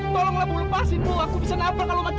tolonglah bu lepasin aku bisa nabrak kalau mati